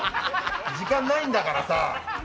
時間ないんだからさ！